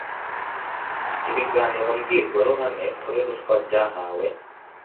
Ibiganiro mbwirwaruhame kuri ruswa byahawe